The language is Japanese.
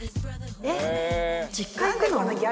えっ？